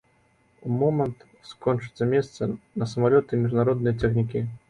У момант скончацца месца на самалёты і міжнародныя цягнікі.